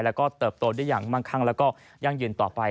แล้วก็เติบโตได้อย่างมั่งคั่งแล้วก็ยั่งยืนต่อไป